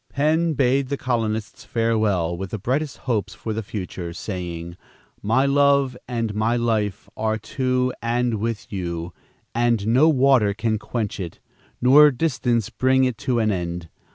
Penn bade the colonists farewell, with the brightest hopes for the future, saying, "My love and my life are to and with you, and no water can quench it, nor distance bring it to an end.